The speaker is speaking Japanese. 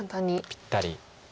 ぴったり。